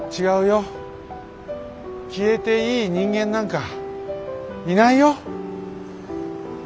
消えていい人間なんかいないよ。